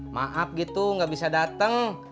maaf gitu gak bisa dateng